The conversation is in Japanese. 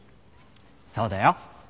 そうだよ。